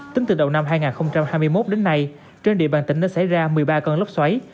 tính từ đầu năm hai nghìn hai mươi một đến nay trên địa bàn tỉnh đã xảy ra một mươi ba cơn lốc xoáy